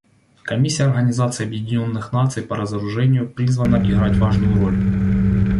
Комиссия Организации Объединенных Наций по разоружению призвана играть важную роль.